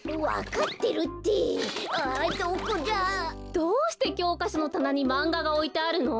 どうしてきょうかしょのたなにマンガがおいてあるの？